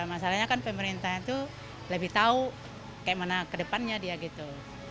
masalahnya kan pemerintah itu lebih tahu kayak mana kedepannya dia gitu